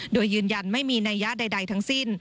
โดยยืนยันไม่มีนัยยะใดทั้งสิ้น